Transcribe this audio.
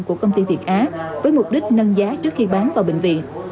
của công ty việt á với mục đích nâng giá trước khi bán vào bệnh viện